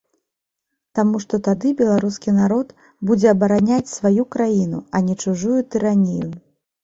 Таму што тады беларускі народ будзе абараняць сваю краіну, а не чужую тыранію.